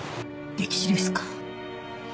溺死ですか。